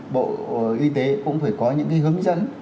bộ y tế cũng phải có những hướng dẫn